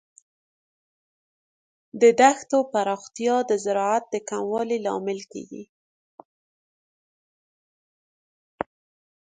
د دښتو پراختیا د زراعت د کموالي لامل کیږي.